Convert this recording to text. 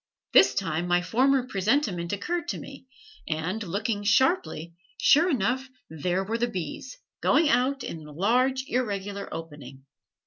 This time my former presentiment occurred to me, and, looking sharply, sure enough there were the bees, going out and in a large, irregular opening.